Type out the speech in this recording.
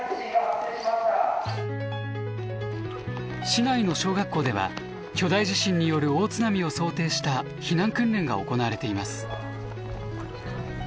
市内の小学校では巨大地震による大津波を想定した避難訓練が行われています。